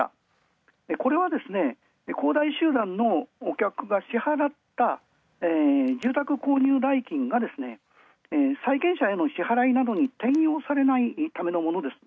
これは、こうだい集団のお客が支払った住宅購入代金が債権者への支払いなどに転用されないためのものです。